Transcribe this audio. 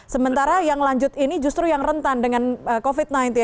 sementara yang lanjut ini justru yang rentan dengan covid sembilan belas